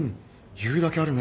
言うだけあるね。